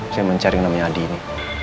saya mencari yang namanya adi ini